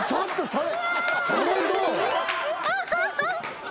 それ。